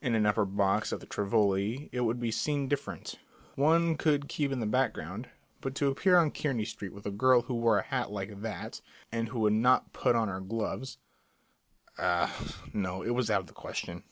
In an upper box at the Tivoli it would have been different one could keep in the background; but to appear on Kearney Street with a girl who wore a hat like that and who would not put on her gloves ah, no, it was out of the question.